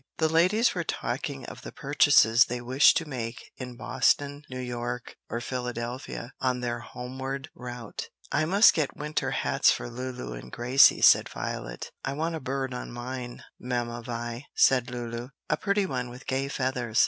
The ladies were talking of the purchases they wished to make in Boston, New York or Philadelphia, on their homeward route. "I must get winter hats for Lulu and Gracie," said Violet. "I want a bird on mine, Mamma Vi," said Lulu; "a pretty one with gay feathers."